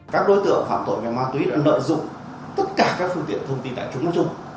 các đối tượng phạm tội về ma túy đã lợi dụng tất cả các phương tiện thông tin tại chúng nó chung